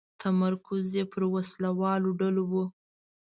تمرکز یې پر وسله والو ډلو و.